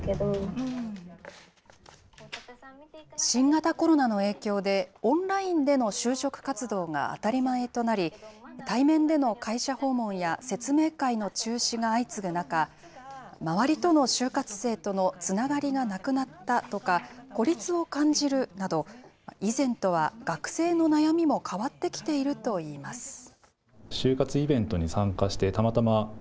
新型コロナの影響で、オンラインでの就職活動が当たり前となり、対面での会社訪問や説明会の中止が相次ぐ中、周りとの就活生とのつながりがなくなったとか、孤立を感じるなど、以前とは学生の悩みも変わってきているといいます。